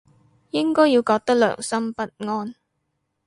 應該要覺得良心不安